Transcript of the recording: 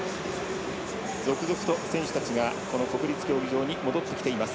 続々と選手たちがこの国立競技場に戻ってきています。